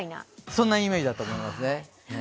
そんなイメージだと思いますね。